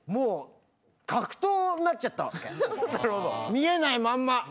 見えないまんま。